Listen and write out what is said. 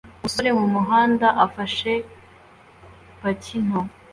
Umusore mumuhanda ufashe paki nto